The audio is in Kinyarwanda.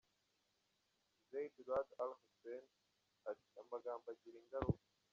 Zeid Ra’ad al Hussein, ati: “Amagambo agira ingaruka.